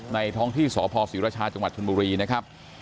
ในท้องที่สภศิรชาจถุงบุรีนะครับ